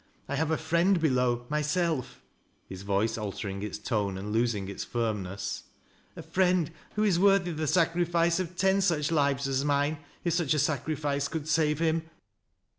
J have a friend below, — myself,'" his voice altering its t(ue and losing its finnness,^ —" a friend who is worthy the sacri IN THE PIT. 22? fice of ten such .ives as mine if sucli a sacrifice could savo him."